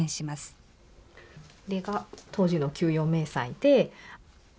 これが当時の給与明細で。